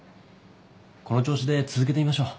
この調子で続けてみましょう。